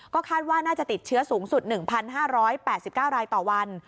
คาดว่าน่าจะติดเชื้อสูงสุด๑๕๘๙รายต่อวัน